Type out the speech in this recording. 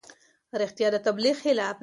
رښتیا د تبلیغ خلاف دي.